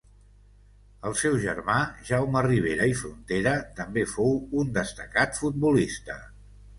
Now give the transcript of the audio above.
El seu germà Jaume Ribera i Frontera també fou un destacat futbolista.